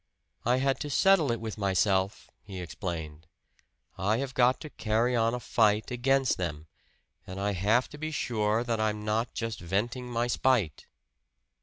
"I had to settle it with myself," he explained. "I have got to carry on a fight against them, and I have to be sure that I'm not just venting my spite."